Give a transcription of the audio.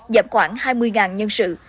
giảm khoảng hai mươi nhân sự